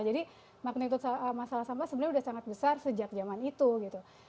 jadi magnitude masalah sampah sebenarnya udah sangat besar sejak zaman itu gitu